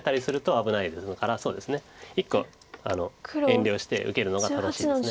遠慮して受けるのが正しいです。